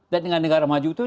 dan dengan negara maju itu